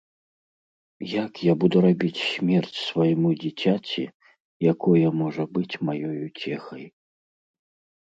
Як я буду рабіць смерць свайму дзіцяці, якое можа быць маёй уцехай.